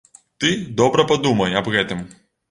Ты добра падумай аб гэтым.